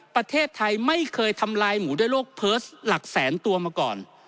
ประเทศไทยไม่เคยทำลายหมูด้วยโรคเพิร์สหลักแสนตัวมาก่อน